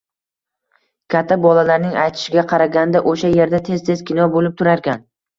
Katta bolalarning aytishiga qaraganda, o‘sha yerda tez-tez kino bo‘lib turarkan.